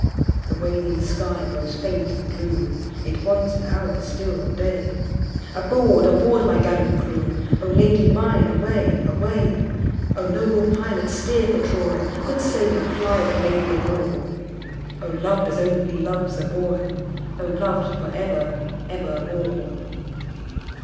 The waning sky grows faint and blue, It wants an hour still of day, Aboard! aboard! my gallant crew,O Lady mine away! away!O noble pilot steer for Troy, Good sailor ply the labouring oar,O loved as only loves a boy!O loved for ever evermore!